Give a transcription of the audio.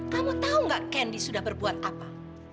kamu tahu gak candy sudah berbuat apa